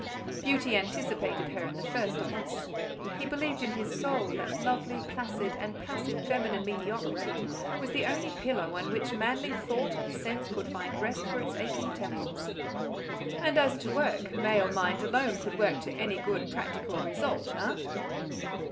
Beauty anticipated her in the first office. He believed in his soul that lovely, placid, and passive feminine mediocrity was the only pillow on which manly thought and sense could find rest for its aching temples; and as to work, male mind alone could work to any good practical result—hein?